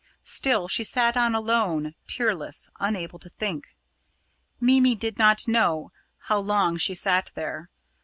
Still she sat on alone tearless unable to think. Mimi did not know how long she sat there.